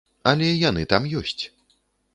Але яны там ёсць.